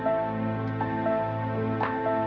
nanti bu mau ke rumah